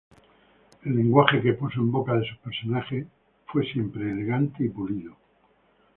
El lenguaje que puso en boca de sus personajes, fue siempre elegante y pulido.